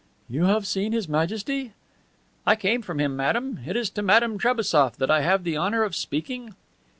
"You have seen His Majesty?" "I come from him, madame. It is to Madame Trebassof that I have the honor of speaking?"